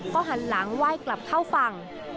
ก็หันหลังไหว้กลับเข้าฝั่ง